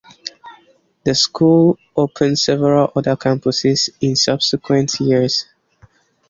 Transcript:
The school opened several other campuses in subsequent years.